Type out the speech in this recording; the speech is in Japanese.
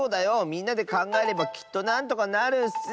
みんなでかんがえればきっとなんとかなるッス！